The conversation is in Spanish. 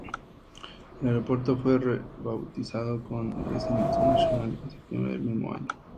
El aeropuerto fue rebautizado como "Dresden Internacional", en septiembre del mismo año.